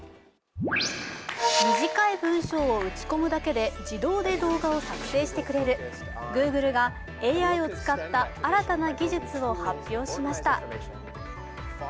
短い文章を打ち込むだけで自動で動画を作成してくれるグーグルがＡＩを使った新たな技術を発表しました。